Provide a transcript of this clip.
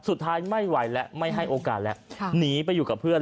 สุดท้ายไม่ไหวแล้วไม่ให้โอกาสแล้วหนีไปอยู่กับเพื่อน